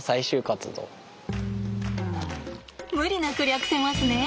無理なく略せますね。